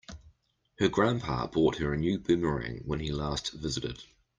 Her grandpa bought her a new boomerang when he last visited.